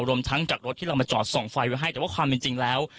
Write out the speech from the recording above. รวมทั้งจากรถที่เรามาจอดส่องไฟไว้ให้แต่ว่าความเป็นจริงแล้ว